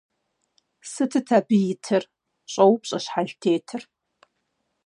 - Сытыт абы итыр? - щӀоупщӀэ щхьэлтетыр.